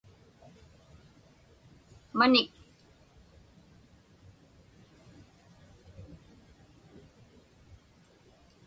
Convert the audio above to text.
manik